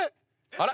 あら？